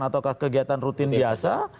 atau kegiatan rutin biasa